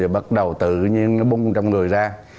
bắt đầu tự nhiên nó bung trong người ra